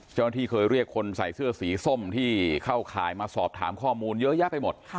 เจ้าหน้าที่เคยเรียกคนใส่เสื้อสีส้มที่เข้าข่ายมาสอบถามข้อมูลเยอะแยะไปหมด